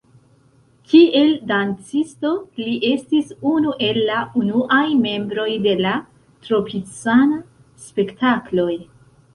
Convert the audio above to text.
Kiel dancisto li estis unu el la unuaj membroj de la Tropicana-Spektakloj.